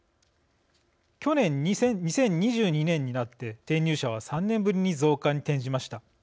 去年、２０２２年になって転入者は３年ぶりに増加に転じました。